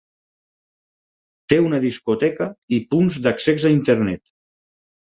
Té una discoteca i punts d'accés a Internet.